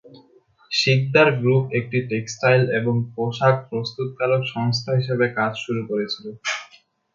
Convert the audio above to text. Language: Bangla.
সিকদার গ্রুপ একটি টেক্সটাইল এবং পোশাক প্রস্তুতকারক সংস্থা হিসাবে কাজ শুরু করেছিলো।